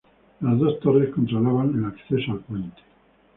Las dos torres controlaban el acceso al puente.